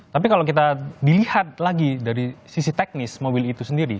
tapi kalau kita dilihat lagi dari sisi teknis mobil itu sendiri